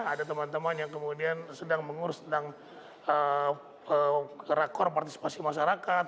ada teman teman yang kemudian sedang mengurus tentang rakor partisipasi masyarakat